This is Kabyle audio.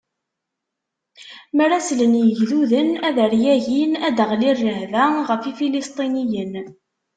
Mi ara slen yegduden, ad rgagin, ad d-teɣli rrehba ɣef Ifilistiyen.